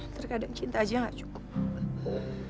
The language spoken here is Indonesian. terkadang cinta aja gak cukup